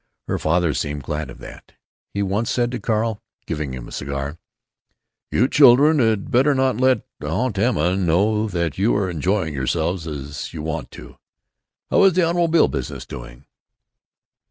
Her father seemed glad of that. He once said to Carl (giving him a cigar), "You children had better not let Aunt Emma know that you are enjoying yourselves as you want to! How is the automobile business going?"